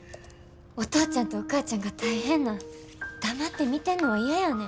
お父ちゃんとお母ちゃんが大変なん黙って見てんのは嫌やねん。